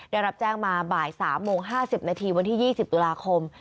ได้รับแจ้งมาบ่าย๓โมง๕๐นาทีวันที่๒๐ตุลาคม